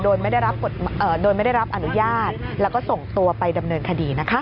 โดยไม่ได้รับอนุญาตแล้วก็ส่งตัวไปดำเนินคดีนะคะ